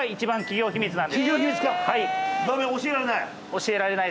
教えられない！